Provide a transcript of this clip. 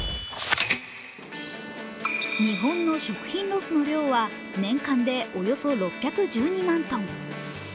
日本の食品ロスの量は年間でおよそ６１２万ｔ。